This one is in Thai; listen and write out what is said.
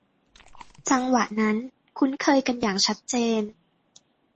จังหวะนั้นคุ้นเคยกันอย่างชัดเจน